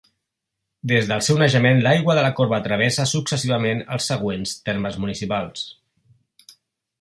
Des del seu naixement, l'Aigua de la Corba travessa successivament els següents termes municipals.